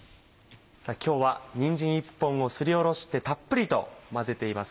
今日はにんじん１本をすりおろしてたっぷりと混ぜています